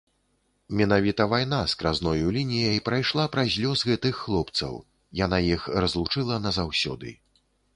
Менавіта вайна скразною лініяй прайшла праз лёс гэтых хлопцаў, яна іх разлучыла назаўсёды.